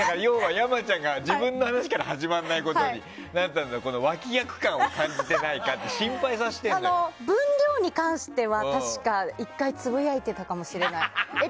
山ちゃんが自分の話から始まらないことになったことに脇役感を感じていないか分量に関しては１回つぶやいてたかもしれない。